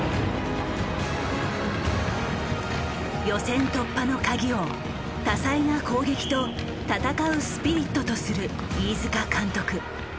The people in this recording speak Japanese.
予選突破のカギを多彩な攻撃と戦うスピリットとする飯塚監督。